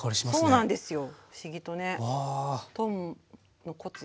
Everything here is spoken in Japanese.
そうなんですよ。